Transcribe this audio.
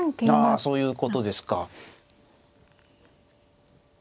あそういうことですか。